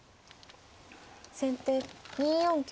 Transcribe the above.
先手２四香車。